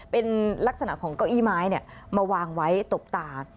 เป็นลักษณะของเก้าอี้ไม้มาวางไว้ตบตา